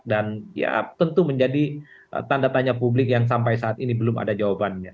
dan ya tentu menjadi tanda tanya publik yang sampai saat ini belum ada jawabannya